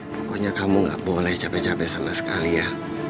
pokoknya kamu gak boleh capek capek sama sekali ya